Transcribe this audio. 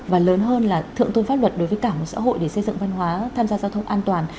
và lớn hơn là thượng tôn pháp luật đối với cả một xã hội để xây dựng văn hóa tham gia giao thông an toàn